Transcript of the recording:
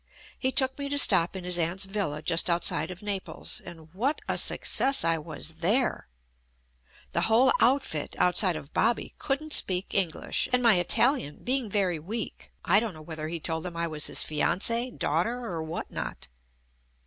He took me to stop in his aunt's villa just outside of Naples, and WHAT A SUC CESS I WAS THERE. The whole outfit, outside of Bobby, couldn't speak English, and my Italian being very weak, I don't know whether, he told them I was his fiancee, daugh ter or what not.